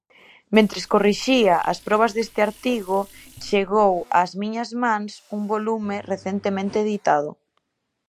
Mentres corrixía as probas deste artigo, chegou ás miñas mans un volume recentemente editado.